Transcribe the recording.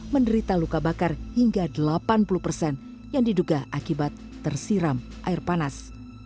menderita luka bakar hingga delapan puluh persen yang diduga akibat tersiram air panas